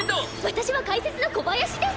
私は解説の小林です！